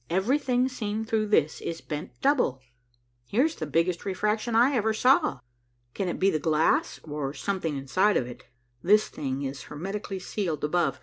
Everything seen through this is bent double. Here's the biggest refraction I ever saw. Can it be the glass, or something inside of it? This thing is hermetically sealed above.